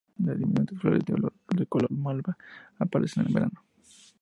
Las diminutas flores, de color malva, aparecen en verano.